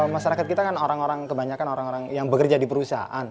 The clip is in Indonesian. masyarakat kita kan orang orang kebanyakan orang orang yang bekerja di perusahaan